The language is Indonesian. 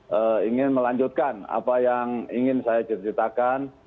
saya ingin melanjutkan apa yang ingin saya ceritakan